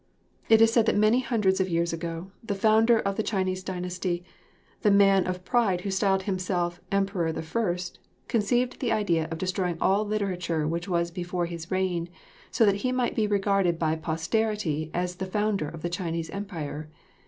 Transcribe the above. It is said that many hundreds of years ago, the founder of the Chinese dynasty, the man of pride who styled himself Emperor the First, conceived the idea of destroying all literature which was before his reign, so that he might be regarded by posterity as the founder of the Chinese Empire.